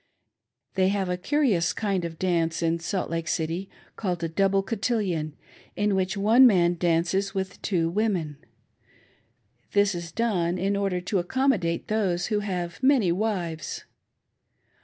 They have a curious kind of dance in Salt Lake City, called a double cotillion, in which one man dances with two women. This is done in order to accommodate those who have many wives.